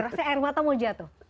maksudnya air mata mau jatuh